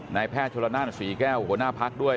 แพทย์ชนละนานศรีแก้วหัวหน้าพักด้วย